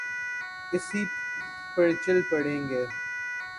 اسی پر چل پڑیں گے۔